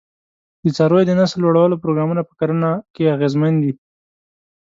د څارویو د نسل لوړولو پروګرامونه په کرنه کې اغېزمن دي.